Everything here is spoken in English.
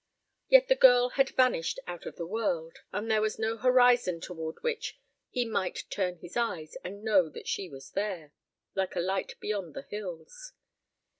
Yet the girl had vanished out of the world, and there was no horizon toward which he might turn his eyes and know that she was there, like a light beyond the hills.